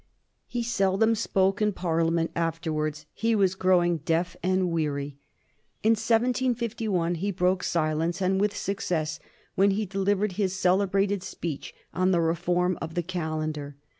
He seldom spoke in Parliament after wards ; he was growing deaf and weary. In 1751 he broke silence, and with success, when he delivered his celebrated speech on the reform of the calendar.